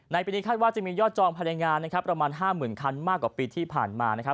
ปีนี้คาดว่าจะมียอดจองภายในงานนะครับประมาณ๕๐๐๐คันมากกว่าปีที่ผ่านมานะครับ